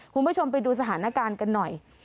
คุณผู้ชมไปดูสถานการณ์กันหน่อย